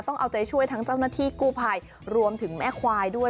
ต้องเอาใจช่วยทั้งเจ้าหน้าที่กู้ภัยรวมถึงแม่ควายด้วย